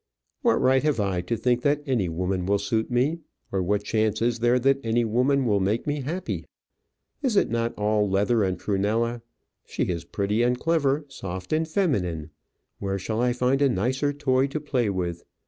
"What right have I to think that any woman will suit me? or what chance is there that any woman will make me happy? Is it not all leather and prunella? She is pretty and clever, soft and feminine. Where shall I find a nicer toy to play with?